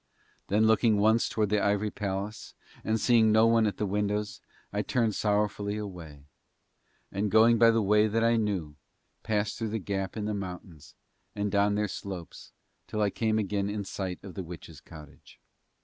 Then looking once towards the ivory palace, and seeing no one at the windows, I turned sorrowfully away, and going by the way that I knew passed through the gap in the mountains and down their slopes till I came again in sight of the witch's cottage.